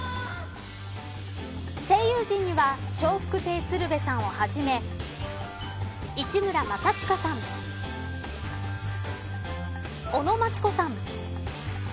声優陣には笑福亭鶴瓶さんをはじめ市村正親さん尾野真千子さん